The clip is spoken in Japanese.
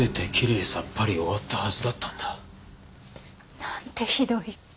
れいさっぱり終わったはずだったんだ。なんてひどい。